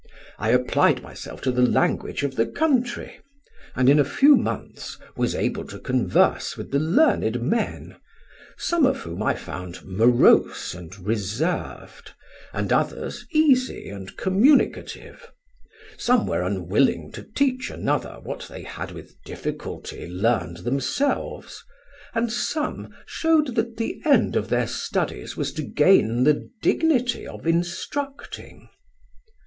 I applied myself to the language of the country, and in a few months was able to converse with the learned men; some of whom I found morose and reserved, and others easy and communicative; some were unwilling to teach another what they had with difficulty learned themselves; and some showed that the end of their studies was to gain the dignity of instructing.